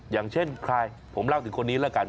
อย่างเช่นใครผมเล่าถึงคนนี้แล้วกัน